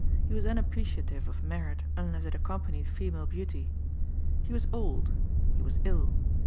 He was unappreciative of merit unless it accompanied female beauty. He was old; he was ill.